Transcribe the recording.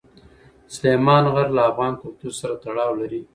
سلیمان غر له افغان کلتور سره تړاو لري.